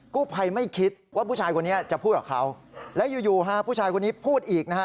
กู้ภัยไม่คิดว่าผู้ชายคนนี้จะพูดกับเขาและอยู่ฮะผู้ชายคนนี้พูดอีกนะฮะ